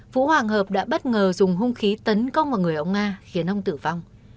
vũ hoàng hợp đã bất ngờ dùng hung khí tấn công vào người ông nga khiến ông tử vong